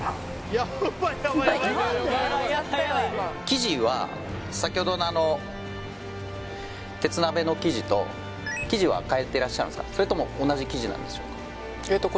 生地は先ほどの鉄鍋の生地と生地は変えてらっしゃるんですかそれとも同じ生地なんでしょうかえっと